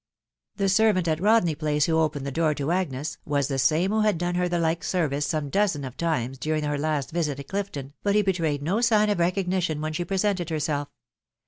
The servant at Rodney Place who opened the dees to Agnes, was the same who had done her the like service same dozen of times during her last visit at Clifton, but he betrayed no sign of recognition when she presented herself.